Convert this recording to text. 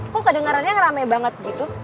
kok kedengarannya rame banget gitu